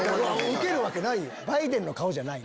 ウケるわけないよ！